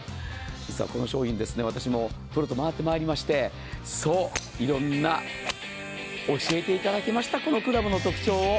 実はこの商品、私もプロと回ってまいりまして、そう、いろんな、教えていただきました、このクラブの特徴を。